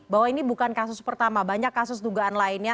bahwa ini bukan kasus pertama banyak kasus dugaan lainnya